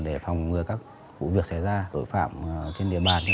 để phòng ngừa các vụ việc xảy ra tội phạm trên địa bàn